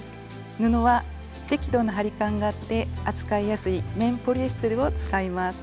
布は適度な張り感があって扱いやすい綿ポリエステルを使います。